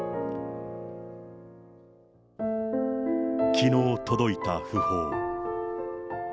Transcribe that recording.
きのう届いた訃報。